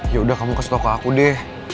ya udah kamu kasih tau ke aku deh